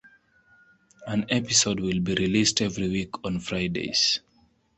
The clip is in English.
An episode will be released every week on Fridays.